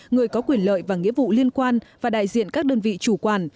người có quyền lợi và nghĩa vụ liên quan và đại diện các đơn vị chủ quản